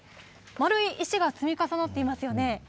丸い石が積み重なってますよね。